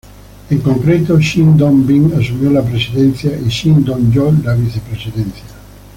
En concreto, Shin Dong-bin asumió la presidencia y Shin Dong-joo la vicepresidencia.